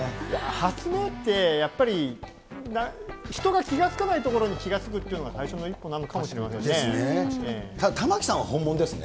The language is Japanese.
発明って、やっぱり、人が気が付かないところに気が付くっていうのが最初の一歩なのか玉城さんは本物ですね。